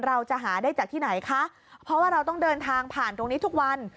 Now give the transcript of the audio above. เราจะหาได้จากที่ไหนคะเพราะว่าเราต้องเดินทางผ่านตรงนี้ทุกวัน